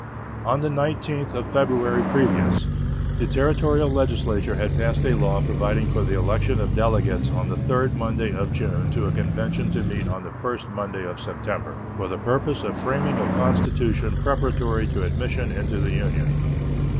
On the 19th of February previous the Territorial legislature had passed a law providing for the election of delegates on the third Monday of June to a convention to meet on the first Monday of September for the purpose of framing a constitution preparatory to admission into the Union.